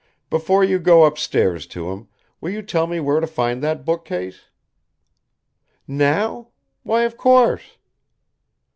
Before you go upstairs to him, will you tell me where to find that bookcase?" "Now? Why, of course!"